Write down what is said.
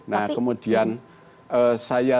nah kemudian saya